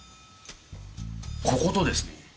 こことですね